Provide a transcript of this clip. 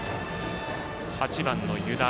８番の湯田。